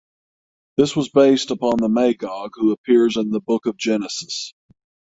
This was based upon the Magog who appears in the "Book of Genesis".